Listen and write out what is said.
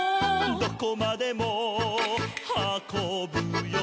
「どこまでもはこぶよ」